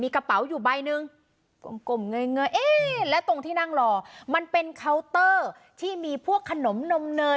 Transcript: กระเป๋าอยู่ใบหนึ่งกลมเงยเอ๊ะและตรงที่นั่งรอมันเป็นเคาน์เตอร์ที่มีพวกขนมนมเนย